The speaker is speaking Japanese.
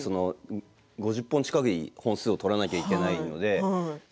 ５０本近い本数を撮らなくてはいけないので。